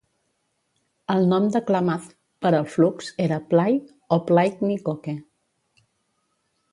El nom de Klamath per al flux era "Plai" o "Plaikni Koke".